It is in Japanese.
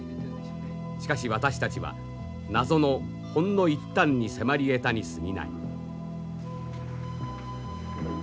しかし私たちは謎のほんの一端に迫りえたにすぎない。